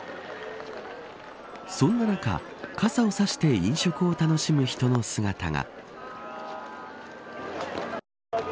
そんな中、傘を差して飲食を楽しむ人の姿が。